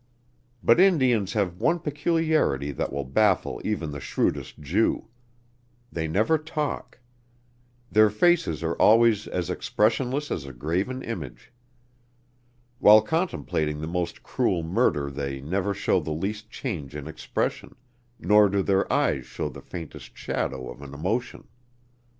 But Indians have one peculiarity that will baffle even the shrewdest Jew. They never talk. Their faces are always as expressionless as a graven image. While contemplating the most cruel murder they never show the least change in expression, nor do their eyes show the faintest shadow of an emotion.